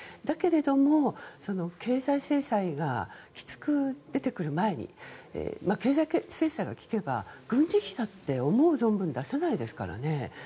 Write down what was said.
だけども経済制裁がきつく出てくる前に経済制裁が効けば軍事費だって思う存分出せないですからね。